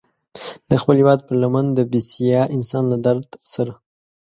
د خپل هېواد پر لمن د بسیا انسان له درد سره.